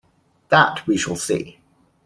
That we shall see.